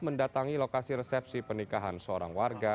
mendatangi lokasi resepsi pernikahan seorang warga